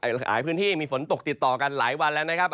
หลายพื้นที่มีฝนตกติดต่อกันหลายวันแล้วนะครับ